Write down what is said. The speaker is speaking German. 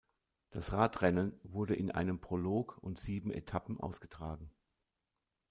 Das Radrennen wurde in einem Prolog und sieben Etappen ausgetragen.